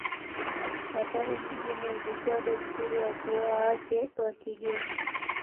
Athari nyingine ilikuwa desturi ya kuoa wake wa kigeni.